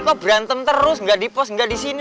kok berantem terus nggak di pos nggak di sini